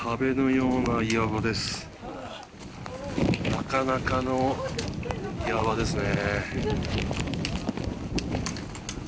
なかなかの岩場ですね。